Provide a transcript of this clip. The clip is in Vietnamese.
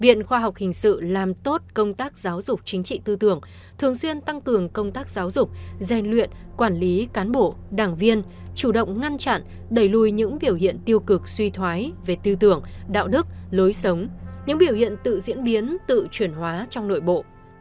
viện khoa học hình sự làm tốt công tác giáo dục chính trị tư tưởng thường xuyên tăng cường công tác giáo dục gian luyện quản lý cán bộ đảng viên chủ động ngăn chặn đẩy lùi những biểu hiện tiêu cực suy thoái về tư tưởng đạo đức lối sống những biểu hiện tự diễn biến tự chuyển hóa trong nội bộ